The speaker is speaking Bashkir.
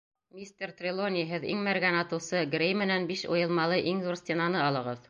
Мистер Трелони, һеҙ иң мәргән атыусы, Грей менән биш уйылмалы иң ҙур стенаны алығыҙ.